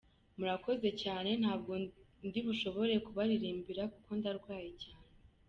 Murakoze cyane ntabwo ndi bushobore kubaririmbira kuko ndarwaye cyane".